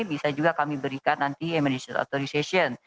bisa juga kami berikan nanti emmanage authorization